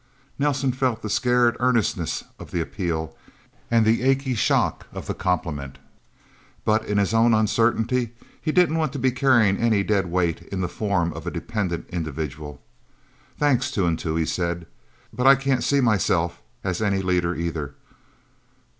Nelsen felt the scared earnestness of the appeal, and the achy shock of the compliment. But in his own uncertainty, he didn't want to be carrying any dead weight, in the form of a dependent individual. "Thanks, Two and Two," he said. "But I can't see myself as any leader, either.